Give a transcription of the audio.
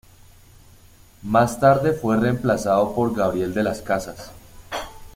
Más tarde fue reemplazado por Gabriel de las Casas.